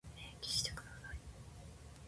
明記してください。